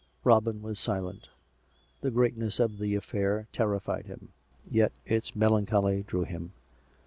Robin was silent. The greatness of the affair terrified him; yet its melan choly drew him.